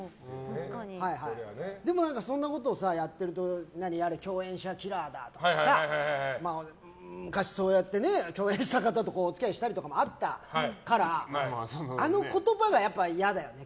でも、そんなことをやってると共演者キラーだとかさ昔そうやって共演した方とお付き合いしたこともあったからあの言葉が嫌なんだよね。